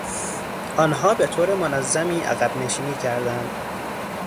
آنها به طور منظمی عقبنشینی کردند.